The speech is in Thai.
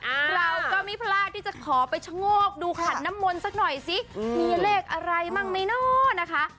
เราก็ไม่พลาดที่จะขอไปชะโงกดูขันน้ำมนต์สักหน่อยสิมีเลขอะไรบ้างไหมเนาะนะคะ